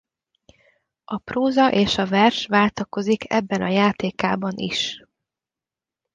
A próza és a vers váltakozik ebben a játékában is.